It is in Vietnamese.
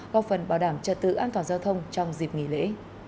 góp phần bảo đảm trật tự an toàn giao thông trong dịp nghỉ lễ